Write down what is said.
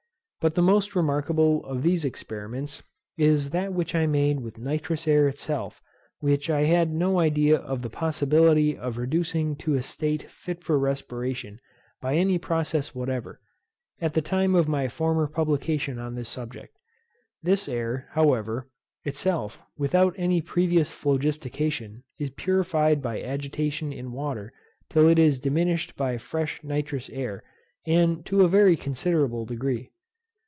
But the most remarkable of these experiments is that which I made with nitrous air itself which I had no idea of the possibility of reducing to a state fit for respiration by any process whatever, at the time of my former publication on this subject. This air, however, itself, without any previous phlogistication, is purified by agitation in water till it is diminished by fresh nitrous air, and to a very considerable degree.